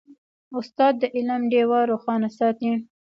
استاد د علم ډیوه روښانه ساتي.